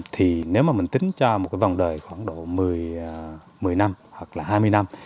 thì nếu mà mình tính cho một cái vòng đời khoảng độ một mươi năm hoặc là hai mươi năm